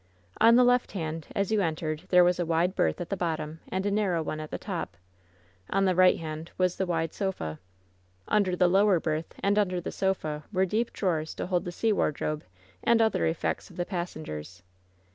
On the left hand as you entered there was a wide berth at the bottom and a narrow one at the top. On the right hand was the wide sofa. Under the lower berth and under the sofa were deep drawers to hold the sea wardrobe and other effects of the passengers.